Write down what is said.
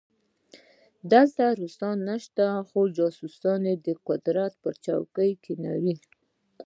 دلته روسان نشته چې جاسوس د قدرت پر څوکۍ کېنوي.